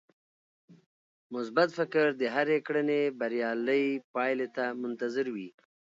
مثبت فکر د هرې کړنې بريالۍ پايلې ته منتظر وي.